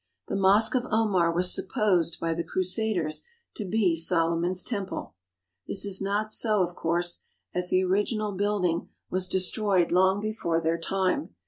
The Mosque of Omar was supposed by the Crusaders to be Solomon's Temple. This is not so, of course, as the original building was destroyed long before their time.